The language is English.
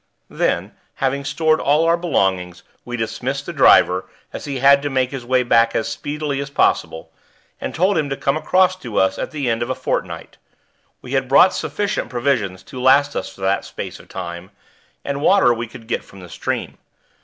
Then, having stored all our belongings, we dismissed the driver, as he had to make his way back as speedily as possible, and told him to come across to us at the end of a fortnight. We had brought sufficient provisions to last us for that space of time, and water we could get from the stream.